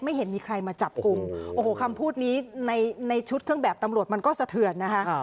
เห็นมีใครมาจับกลุ่มโอ้โหคำพูดนี้ในในชุดเครื่องแบบตำรวจมันก็สะเทือนนะคะ